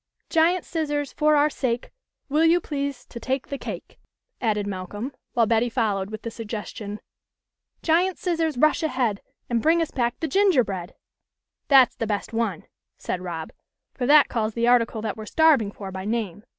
u Giant Scissors, for our sake Will you please to take the cake." added Malcolm, while Betty followed with the sug gestion :" Giant Scissors, rush ahead And bring us back the gingerbread.'* 22 THE LITTLE COLONEL'S HOLIDAYS. ' That's the best one," said Rob, " for that calls the article that we're starving for by name.